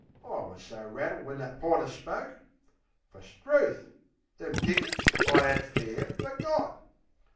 I wus so rattled when that porter spoke. Fer, 'struth! them tickets I 'ad fair forgot!